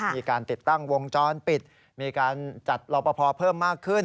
มีการติดตั้งวงจรปิดมีการจัดรอปภเพิ่มมากขึ้น